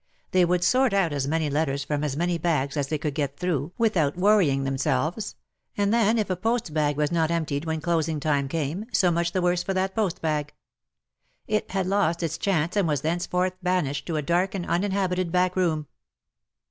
They would sort as many letters from as many bags as they could get through without worrying 136 WAR AND WOMEN themselves, and then If a post bag was not emptied when closing time came, so much the worse for that post bag. It had lost its chance and was thenceforth banished to a dark and uninhabited back room.